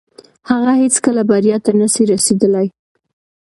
هغه هيڅکه بريا ته نسي رسيدلاي.